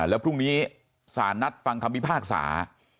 แล้วพรุ่งนี้สารนัดฟังคำพิพากษา